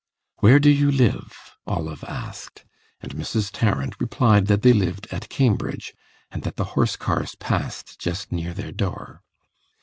"Where do you live?" Olive asked; and Mrs. Tarrant replied that they lived at Cambridge, and that the horse cars passed just near their door.